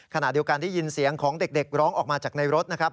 ขณะเดียวกันได้ยินเสียงของเด็กร้องออกมาจากในรถนะครับ